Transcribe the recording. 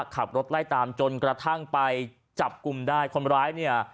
ขับรถไล่ตามจนกระทั่งไปจับกลุ่มได้คนร้ายเนี่ย